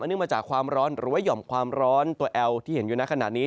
เนื่องมาจากความร้อนหรือว่าห่อมความร้อนตัวแอลที่เห็นอยู่ในขณะนี้